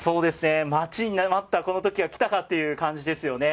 待ちに待った、この時が来たかという感じですよね。